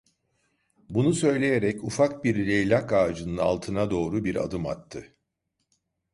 Bunu söyleyerek ufak bir leylak ağacının altına doğru bir adım attı.